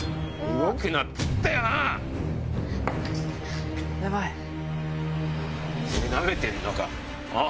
動くなっつったよな⁉こらぁ！